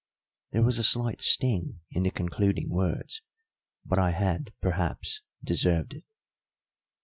There was a slight sting in the concluding words, but I had, perhaps, deserved it.